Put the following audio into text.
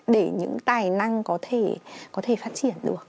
để những tài năng có thể phát triển được